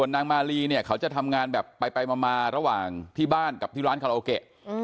นางมาลีเนี่ยเขาจะทำงานแบบไปมาระหว่างที่บ้านกับที่ร้านคาราโอเกะ